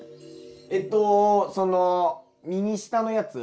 えっとその右下のやつ。